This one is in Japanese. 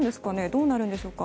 どうなるんでしょうか？